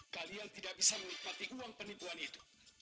kalian tidak bisa menikmati uang penipuan itu